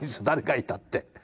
誰かいたって。